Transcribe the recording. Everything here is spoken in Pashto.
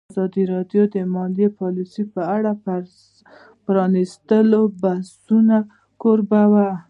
ازادي راډیو د مالي پالیسي په اړه د پرانیستو بحثونو کوربه وه.